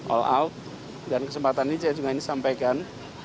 all out dan kesempatan ini saya juga ingin sampaikan